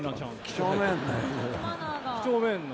きちょうめんな。